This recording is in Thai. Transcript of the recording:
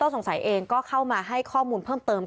สงสัยเองก็เข้ามาให้ข้อมูลเพิ่มเติม